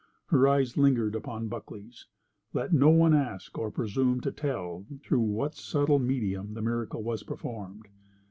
Her eyes lingered upon Buckley's. Let no one ask or presume to tell through what subtle medium the miracle was performed.